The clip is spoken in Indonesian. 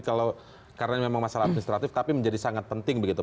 kalau karena memang masalah administratif tapi menjadi sangat penting begitu